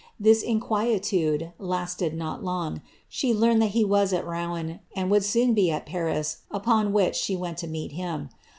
This inquietude liitBd not long; she learned that he was at Rouen, and would soon be it Paris, upon which she went to meet him.'